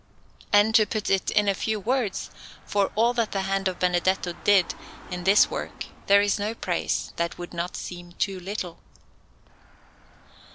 And, to put it in a few words, for all that the hand of Benedetto did in this work there is no praise that would not seem too little.